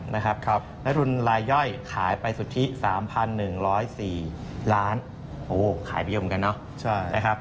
และรุ่นลายย่อยขายไปสุทธิ๓๑๐๔ล้านโอ้โหขายไปเยอะเหมือนกันนะ